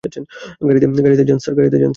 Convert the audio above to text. গাড়িতে যান স্যার।